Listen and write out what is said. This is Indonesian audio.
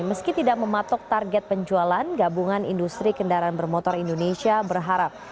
meski tidak mematok target penjualan gabungan industri kendaraan bermotor indonesia berharap